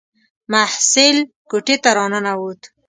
محصل کوټې ته را ننووت.